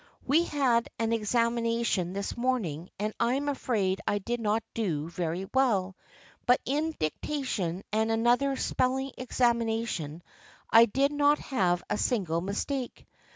We had an examination this morning and I am afraid I did not do very well, but in dictation and another spelling examination I did not have a single mis take.